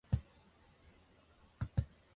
稚内